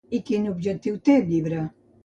I quin objectiu té el llibre?